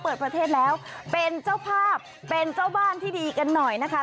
เปิดประเทศแล้วเป็นเจ้าภาพเป็นเจ้าบ้านที่ดีกันหน่อยนะคะ